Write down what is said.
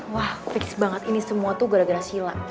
wah fix banget ini semua tuh gara gara sila